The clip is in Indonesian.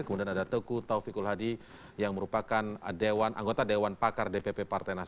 kemudian ada teguh taufik ulhadi yang merupakan anggota dewan pakar dpp partai nasib